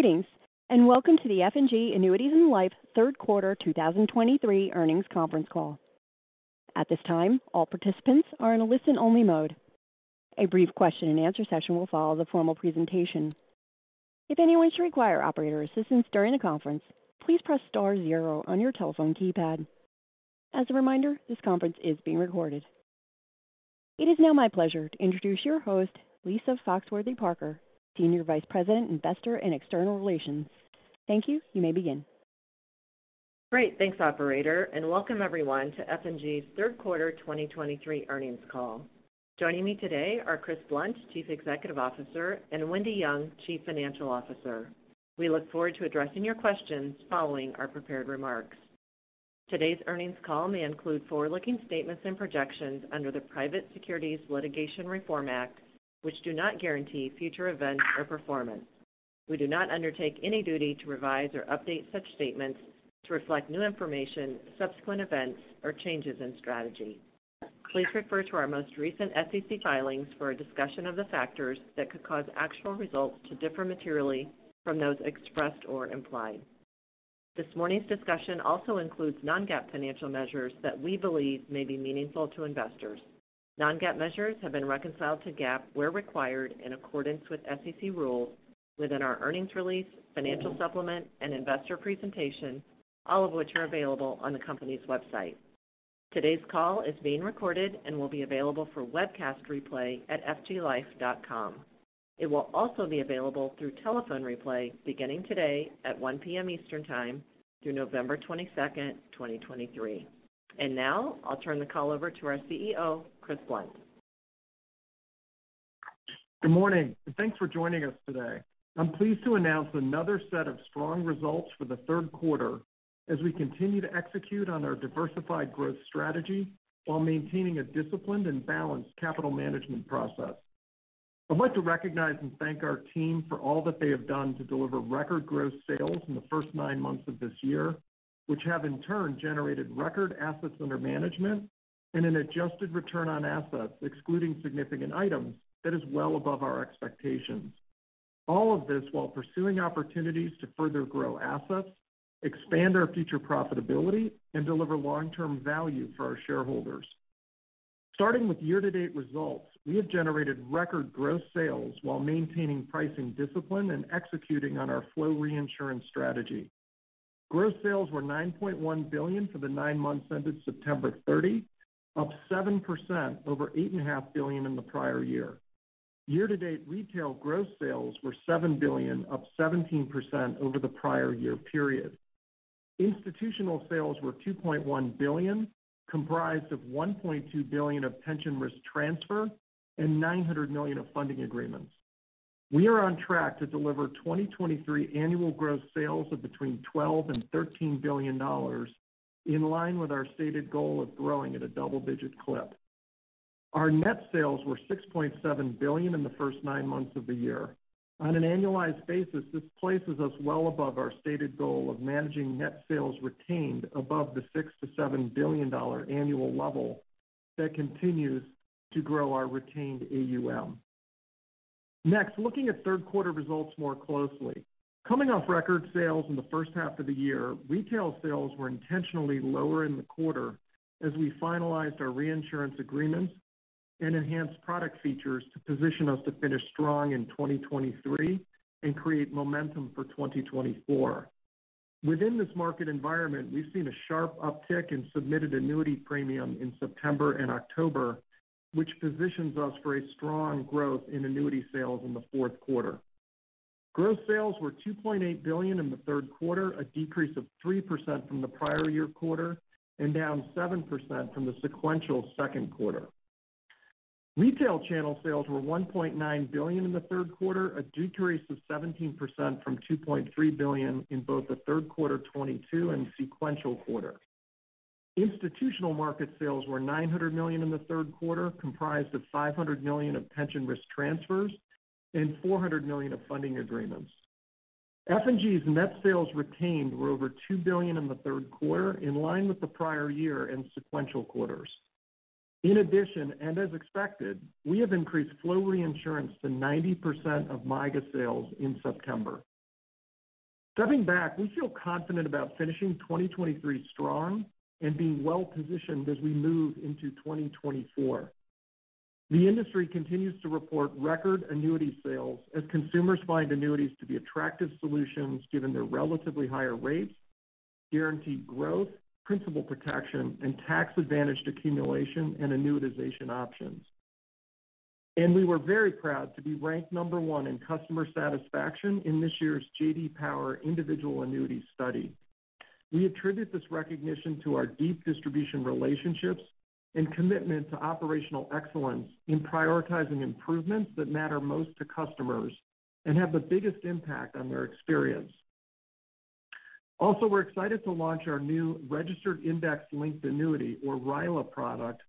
Greetings, and welcome to the F&G Annuities & Life third quarter 2023 earnings conference call. At this time, all participants are in a listen-only mode. A brief question-and-answer session will follow the formal presentation. If anyone should require operator assistance during the conference, please press star zero on your telephone keypad. As a reminder, this conference is being recorded. It is now my pleasure to introduce your host, Lisa Foxworthy-Parker, Senior Vice President, Investor and External Relations. Thank you. You may begin. Great. Thanks, operator, and welcome everyone to F&G's third quarter 2023 earnings call. Joining me today are Chris Blunt, Chief Executive Officer, and Wendy Young, Chief Financial Officer. We look forward to addressing your questions following our prepared remarks. Today's earnings call may include forward-looking statements and projections under the Private Securities Litigation Reform Act, which do not guarantee future events or performance. We do not undertake any duty to revise or update such statements to reflect new information, subsequent events, or changes in strategy. Please refer to our most recent SEC filings for a discussion of the factors that could cause actual results to differ materially from those expressed or implied. This morning's discussion also includes non-GAAP financial measures that we believe may be meaningful to investors. Non-GAAP measures have been reconciled to GAAP, where required, in accordance with SEC rules within our earnings release, financial supplement, and investor presentation, all of which are available on the company's website. Today's call is being recorded and will be available for webcast replay at fglife.com. It will also be available through telephone replay beginning today at 1:00 P.M. Eastern Time through November 22nd, 2023. Now I'll turn the call over to our CEO, Chris Blunt. Good morning, and thanks for joining us today. I'm pleased to announce another set of strong results for the third quarter as we continue to execute on our diversified growth strategy while maintaining a disciplined and balanced capital management process. I'd like to recognize and thank our team for all that they have done to deliver record gross sales in the first nine months of this year, which have in turn generated record assets under management and an adjusted return on assets, excluding significant items, that is well above our expectations. All of this while pursuing opportunities to further grow assets, expand our future profitability, and deliver long-term value for our shareholders. Starting with year-to-date results, we have generated record gross sales while maintaining pricing discipline and executing on our flow reinsurance strategy. Gross sales were $9.1 billion for the nine months ended September 30, up 7% over $8.5 billion in the prior year. Year-to-date retail gross sales were $7 billion, up 17% over the prior year period. Institutional sales were $2.1 billion, comprised of $1.2 billion of pension risk transfer and $900 million of funding agreements. We are on track to deliver 2023 annual gross sales of between $12 billion and $13 billion, in line with our stated goal of growing at a double-digit clip. Our net sales were $6.7 billion in the first nine months of the year. On an annualized basis, this places us well above our stated goal of managing net sales retained above the $6 billion-$7 billion annual level that continues to grow our retained AUM. Next, looking at third quarter results more closely. Coming off record sales in the first half of the year, retail sales were intentionally lower in the quarter as we finalized our reinsurance agreements and enhanced product features to position us to finish strong in 2023 and create momentum for 2024. Within this market environment, we've seen a sharp uptick in submitted annuity premium in September and October, which positions us for a strong growth in annuity sales in the fourth quarter. Gross sales were $2.8 billion in the third quarter, a decrease of 3% from the prior year quarter and down 7% from the sequential second quarter. Retail channel sales were $1.9 billion in the third quarter, a decrease of 17% from $2.3 billion in both the third quarter of 2022 and sequential quarter. Institutional market sales were $900 million in the third quarter, comprised of $500 million of pension risk transfers and $400 million of funding agreements. F&G's net sales retained were over $2 billion in the third quarter, in line with the prior year and sequential quarters. In addition, and as expected, we have increased flow reinsurance to 90% of MYGA sales in September. Stepping back, we feel confident about finishing 2023 strong and being well-positioned as we move into 2024. The industry continues to report record annuity sales as consumers find annuities to be attractive solutions given their relatively higher rates, guaranteed growth, principal protection, and tax-advantaged accumulation and annuitization options. We were very proud to be ranked number one in customer satisfaction in this year's J.D. Power Individual Annuity Study. We attribute this recognition to our deep distribution relationships and commitment to operational excellence in prioritizing improvements that matter most to customers and have the biggest impact on their experience. Also, we're excited to launch our new Registered Index-Linked Annuity, or RILA product,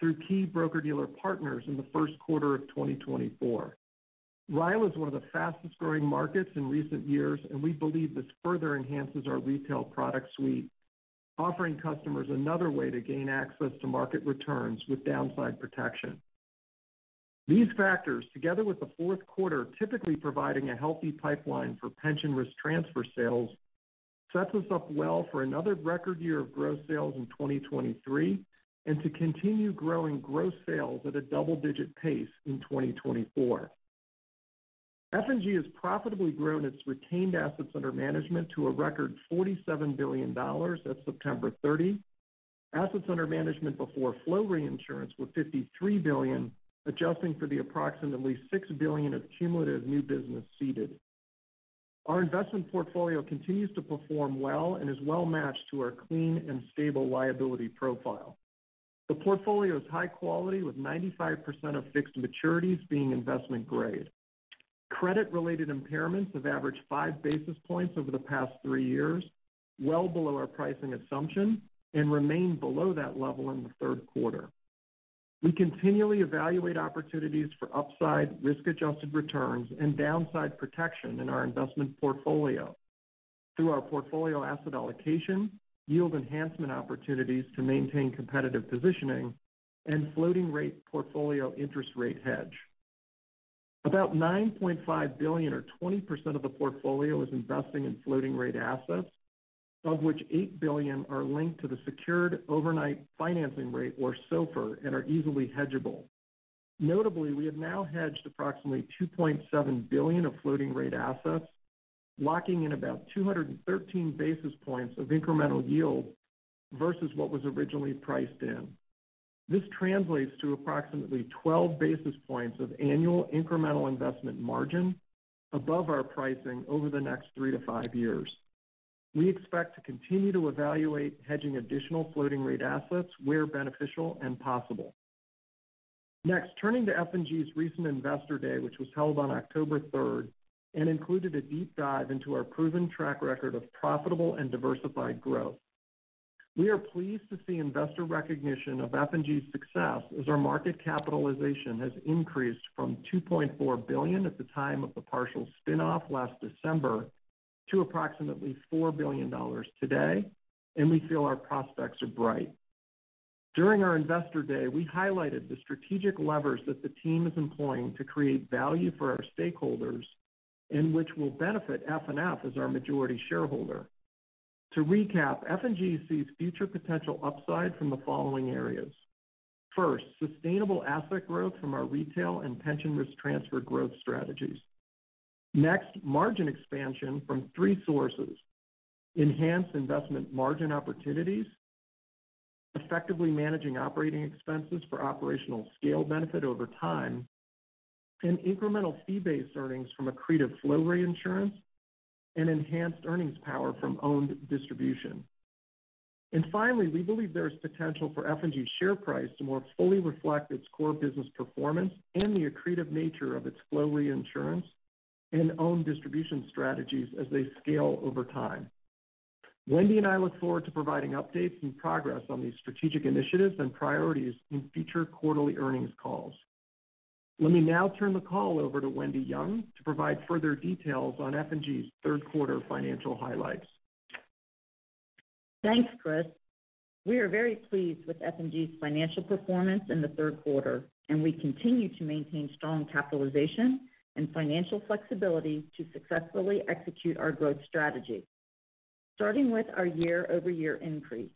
through key broker-dealer partners in the first quarter of 2024. RILA is one of the fastest-growing markets in recent years, and we believe this further enhances our retail product suite, offering customers another way to gain access to market returns with downside protection. These factors, together with the fourth quarter, typically providing a healthy pipeline for pension risk transfer sales, sets us up well for another record year of gross sales in 2023, and to continue growing gross sales at a double-digit pace in 2024. F&G has profitably grown its retained assets under management to a record $47 billion at September 30. Assets under management before flow reinsurance were $53 billion, adjusting for the approximately $6 billion of cumulative new business ceded. Our investment portfolio continues to perform well and is well-matched to our clean and stable liability profile. The portfolio is high quality, with 95% of fixed maturities being investment grade. Credit-related impairments have averaged 5 basis points over the past 3 years, well below our pricing assumption and remained below that level in the third quarter. We continually evaluate opportunities for upside risk-adjusted returns and downside protection in our investment portfolio through our portfolio asset allocation, yield enhancement opportunities to maintain competitive positioning, and floating rate portfolio interest rate hedge. About $9.5 billion, or 20% of the portfolio, is investing in floating rate assets, of which $8 billion are linked to the Secured Overnight Financing Rate, or SOFR, and are easily hedgeable. Notably, we have now hedged approximately $2.7 billion of floating rate assets, locking in about 213 basis points of incremental yield versus what was originally priced in. This translates to approximately 12 basis points of annual incremental investment margin above our pricing over the next 3-5 years. We expect to continue to evaluate hedging additional floating rate assets where beneficial and possible. Next, turning to F&G's recent Investor Day, which was held on October 3rd and included a deep dive into our proven track record of profitable and diversified growth. We are pleased to see investor recognition of F&G's success, as our market capitalization has increased from $2.4 billion at the time of the partial spin-off last December, to approximately $4 billion today, and we feel our prospects are bright. During our Investor Day, we highlighted the strategic levers that the team is employing to create value for our stakeholders and which will benefit FNF as our majority shareholder. To recap, F&G sees future potential upside from the following areas. First, sustainable asset growth from our retail and pension risk transfer growth strategies. Next, margin expansion from three sources: enhanced investment margin opportunities, effectively managing operating expenses for operational scale benefit over time, and incremental fee-based earnings from accretive flow reinsurance and enhanced earnings power from owned distribution. And finally, we believe there is potential for F&G's share price to more fully reflect its core business performance and the accretive nature of its flow reinsurance and own distribution strategies as they scale over time. Wendy and I look forward to providing updates and progress on these strategic initiatives and priorities in future quarterly earnings calls. Let me now turn the call over to Wendy Young to provide further details on F&G's third quarter financial highlights. Thanks, Chris. We are very pleased with F&G's financial performance in the third quarter, and we continue to maintain strong capitalization and financial flexibility to successfully execute our growth strategy. Starting with our year-over-year increase,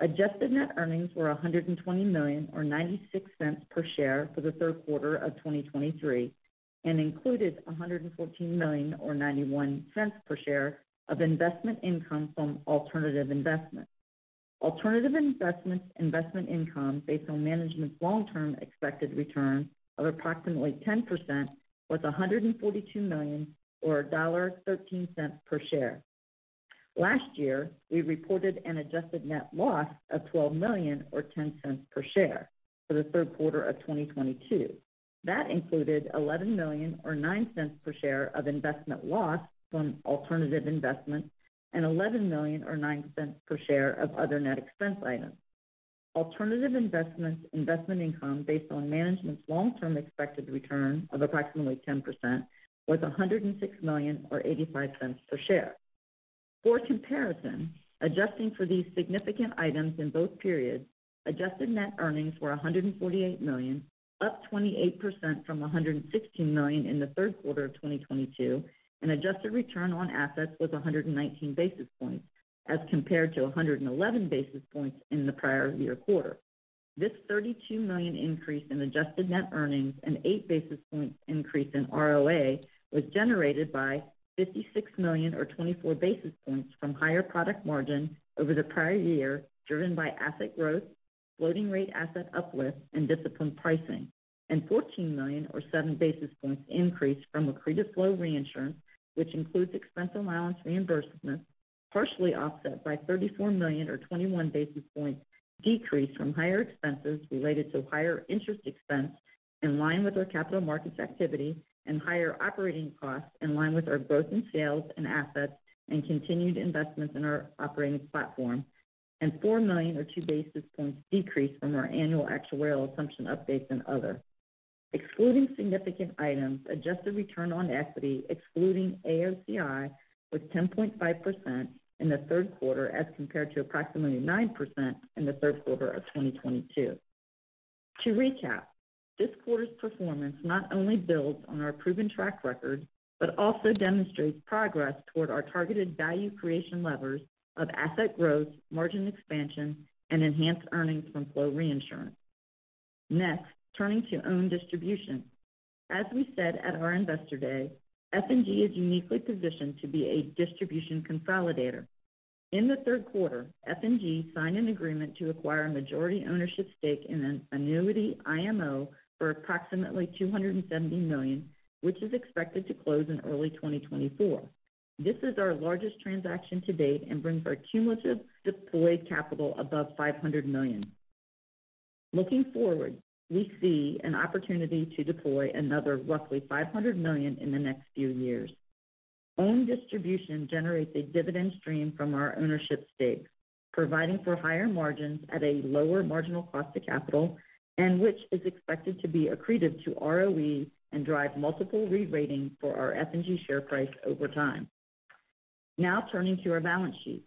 adjusted net earnings were $120 million, or $0.96 per share for the third quarter of 2023, and included $114 million, or $0.91 per share of investment income from alternative investments. Alternative investments investment income, based on management's long-term expected return of approximately 10%, was $142 million, or $1.13 per share. Last year, we reported an adjusted net loss of $12 million, or $0.10 per share for the third quarter of 2022. That included $11 million or $0.09 per share of investment loss from alternative investments and $11 million or $0.09 per share of other net expense items. Alternative investments investment income, based on management's long-term expected return of approximately 10%, was $106 million, or $0.85 per share. For comparison, adjusting for these significant items in both periods, adjusted net earnings were $148 million, up 28% from $116 million in the third quarter of 2022, and adjusted return on assets was 119 basis points, as compared to 111 basis points in the prior year quarter. This $32 million increase in adjusted net earnings and 8 basis points increase in ROA was generated by $56 million or 24 basis points from higher product margin over the prior year, driven by asset growth, floating rate asset uplift, and disciplined pricing, and $14 million or 7 basis points increase from accretive flow reinsurance, which includes expense allowance reimbursements, partially offset by $34 million or 21 basis points decrease from higher expenses related to higher interest expense in line with our capital markets activity and higher operating costs in line with our growth in sales and assets and continued investments in our operating platform, and $4 million or 2 basis points decrease from our annual actuarial assumption updates and other. Excluding significant items, adjusted return on equity, excluding AOCI, was 10.5% in the third quarter, as compared to approximately 9% in the third quarter of 2022. To recap, this quarter's performance not only builds on our proven track record, but also demonstrates progress toward our targeted value creation levers of asset growth, margin expansion, and enhanced earnings from flow reinsurance. Next, turning to owned distribution. As we said at our Investor Day, F&G is uniquely positioned to be a distribution consolidator. In the third quarter, F&G signed an agreement to acquire a majority ownership stake in an annuity IMO for approximately $270 million, which is expected to close in early 2024. This is our largest transaction to date and brings our cumulative deployed capital above $500 million. Looking forward, we see an opportunity to deploy another roughly $500 million in the next few years. Owned distribution generates a dividend stream from our ownership stakes, providing for higher margins at a lower marginal cost of capital, and which is expected to be accretive to ROE and drive multiple re-rating for our F&G share price over time. Now turning to our balance sheet.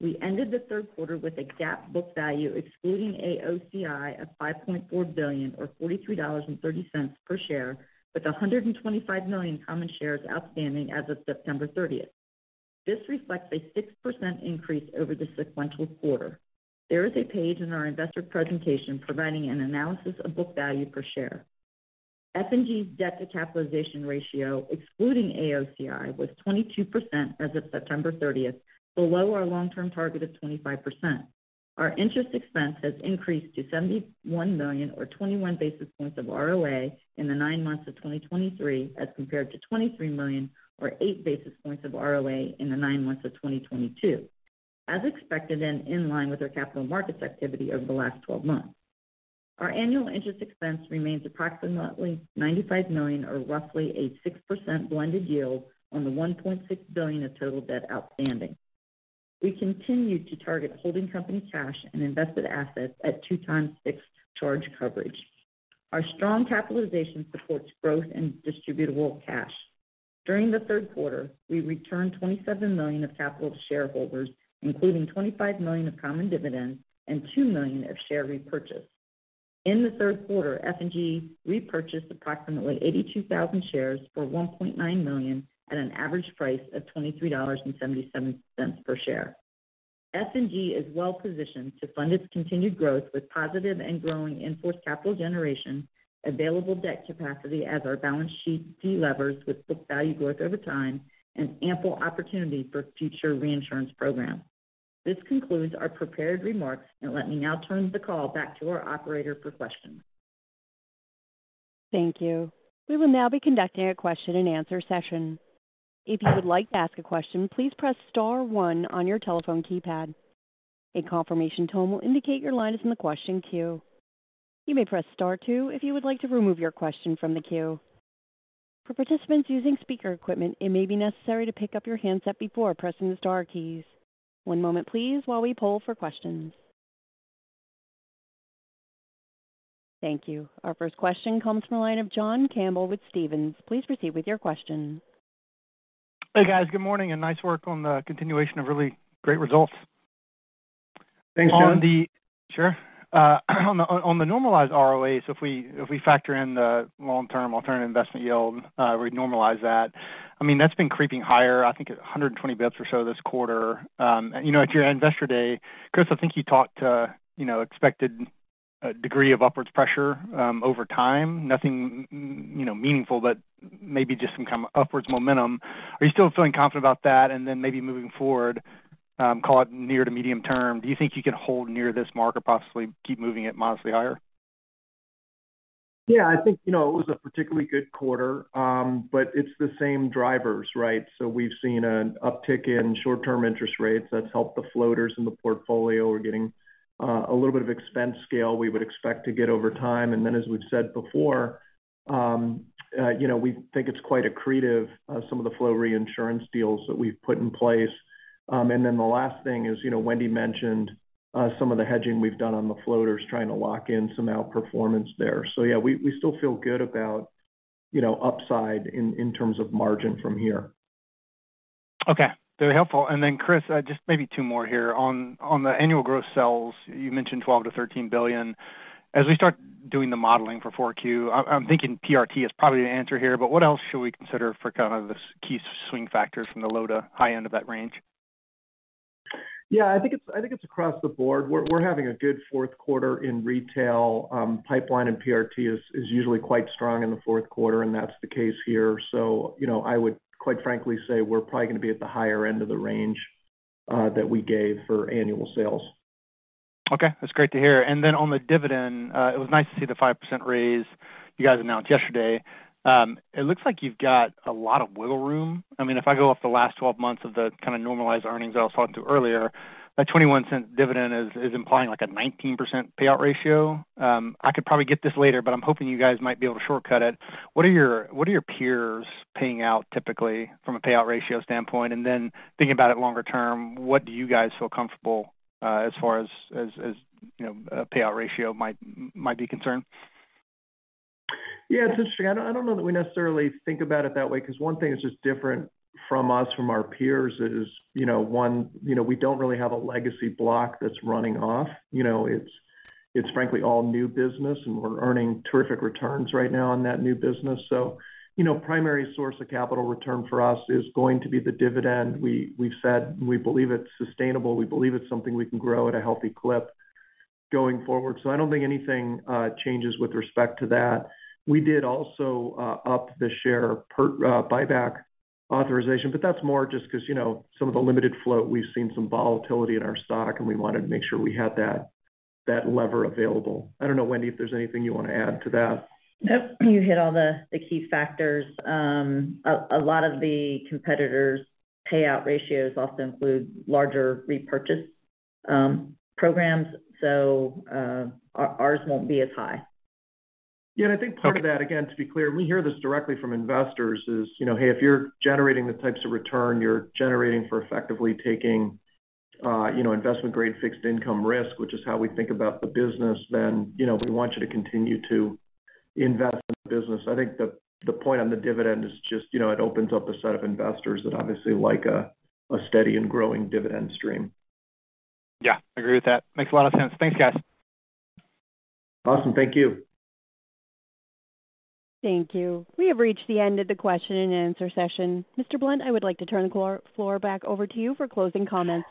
We ended the third quarter with a GAAP book value, excluding AOCI, of $5.4 billion, or $43.30 per share, with 125 million common shares outstanding as of September 30th. This reflects a 6% increase over the sequential quarter. There is a page in our investor presentation providing an analysis of book value per share. F&G's debt to capitalization ratio, excluding AOCI, was 22% as of September 30th, below our long-term target of 25%. Our interest expense has increased to $71 million, or 21 basis points of ROA, in the nine months of 2023, as compared to $23 million, or 8 basis points of ROA in the nine months of 2022, as expected and in line with our capital markets activity over the last 12 months. Our annual interest expense remains approximately $95 million, or roughly a 6% blended yield on the $1.6 billion of total debt outstanding. We continue to target holding company cash and invested assets at 2x fixed charge coverage. Our strong capitalization supports growth and distributable cash. During the third quarter, we returned $27 million of capital to shareholders, including $25 million of common dividends and $2 million of share repurchases. In the third quarter, F&G repurchased approximately 82,000 shares for $1.9 million at an average price of $23.77 per share. F&G is well positioned to fund its continued growth with positive and growing enforced capital generation, available debt capacity as our balance sheet delevers with book value growth over time, and ample opportunity for future reinsurance programs. This concludes our prepared remarks, and let me now turn the call back to our operator for questions. Thank you. We will now be conducting a question-and-answer session. If you would like to ask a question, please press star one on your telephone keypad. A confirmation tone will indicate your line is in the question queue. You may press star two if you would like to remove your question from the queue. For participants using speaker equipment, it may be necessary to pick up your handset before pressing the star keys. One moment please while we poll for questions. Thank you. Our first question comes from the line of John Campbell with Stephens. Please proceed with your question. Hey, guys. Good morning, and nice work on the continuation of really great results. Thanks, John. Sure. On the normalized ROAs, so if we factor in the long-term alternative investment yield, we normalize that. I mean, that's been creeping higher, I think, 120 basis points or so this quarter. You know, at your Investor Day, Chris, I think you talked to, you know, expected degree of upward pressure over time. Nothing, you know, meaningful, but maybe just some kind of upward momentum. Are you still feeling confident about that? And then maybe moving forward, call it near- to medium-term, do you think you can hold near this mark or possibly keep moving it modestly higher? Yeah, I think, you know, it was a particularly good quarter, but it's the same drivers, right? So we've seen an uptick in short-term interest rates. That's helped the floaters in the portfolio. We're getting a little bit of expense scale we would expect to get over time. And then, as we've said before, you know, we think it's quite accretive, some of the flow reinsurance deals that we've put in place. And then the last thing is, you know, Wendy mentioned some of the hedging we've done on the floaters, trying to lock in some outperformance there. So yeah, we, we still feel good about, you know, upside in, in terms of margin from here. Okay, very helpful. And then, Chris, just maybe two more here. On the annual growth sales, you mentioned $12 billion-$13 billion. As we start doing the modeling for Q4, I'm thinking PRT is probably the answer here, but what else should we consider for kind of the key swing factors from the low to high end of that range? Yeah, I think it's across the board. We're having a good fourth quarter in retail. Pipeline and PRT is usually quite strong in the fourth quarter, and that's the case here. So, you know, I would quite frankly say we're probably going to be at the higher end of the range that we gave for annual sales. Okay, that's great to hear. And then on the dividend, it was nice to see the 5% raise you guys announced yesterday. It looks like you've got a lot of wiggle room. I mean, if I go off the last 12 months of the kind of normalized earnings I was talking to earlier, that $0.21 dividend is implying, like, a 19% payout ratio. I could probably get this later, but I'm hoping you guys might be able to shortcut it. What are your peers paying out typically from a payout ratio standpoint? And then thinking about it longer term, what do you guys feel comfortable as far as, you know, a payout ratio might be concerned? Yeah, it's interesting. I don't, I don't know that we necessarily think about it that way, 'cause one thing that's just different from us, from our peers is, you know, one, you know, we don't really have a legacy block that's running off. You know, it's, it's frankly, all new business, and we're earning terrific returns right now on that new business. So, you know, primary source of capital return for us is going to be the dividend. We, we've said we believe it's sustainable. We believe it's something we can grow at a healthy clip going forward. So I don't think anything changes with respect to that. We did also up the share repurchase buyback authorization, but that's more just 'cause, you know, some of the limited float. We've seen some volatility in our stock, and we wanted to make sure we had that, that lever available. I don't know, Wendy, if there's anything you want to add to that? Nope. You hit all the key factors. A lot of the competitors' payout ratios often include larger repurchase programs, so ours won't be as high. Yeah, and I think part of that, again, to be clear, we hear this directly from investors is, you know, "Hey, if you're generating the types of return you're generating for effectively taking, you know, investment-grade fixed income risk," which is how we think about the business, "then, you know, we want you to continue to invest in the business." I think the, the point on the dividend is just, you know, it opens up a set of investors that obviously like a, a steady and growing dividend stream. Yeah, I agree with that. Makes a lot of sense. Thanks, guys. Awesome. Thank you. Thank you. We have reached the end of the question-and-answer session. Mr. Blunt, I would like to turn the floor back over to you for closing comments.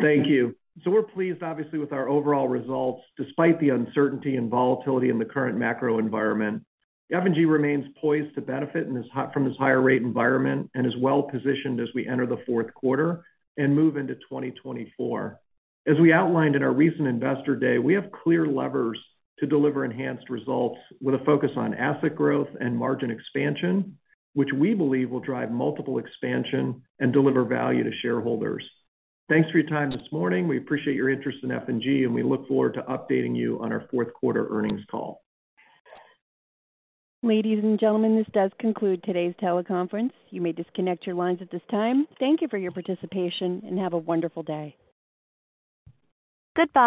Thank you. So we're pleased, obviously, with our overall results, despite the uncertainty and volatility in the current macro environment. F&G remains poised to benefit from this higher rate environment and is well-positioned as we enter the fourth quarter and move into 2024. As we outlined in our recent Investor Day, we have clear levers to deliver enhanced results with a focus on asset growth and margin expansion, which we believe will drive multiple expansion and deliver value to shareholders. Thanks for your time this morning. We appreciate your interest in F&G, and we look forward to updating you on our fourth quarter earnings call. Ladies and gentlemen, this does conclude today's teleconference. You may disconnect your lines at this time. Thank you for your participation, and have a wonderful day. Goodbye!